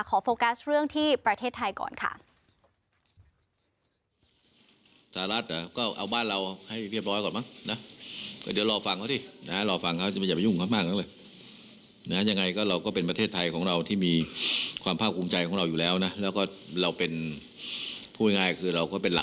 โฟกัสเรื่องที่ประเทศไทยก่อนค่ะ